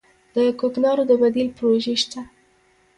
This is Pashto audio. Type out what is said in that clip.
د کوکنارو د بدیل پروژې شته؟